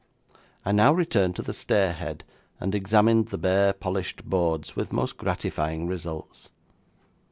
I now returned to the stair head, and examined the bare polished boards with most gratifying results.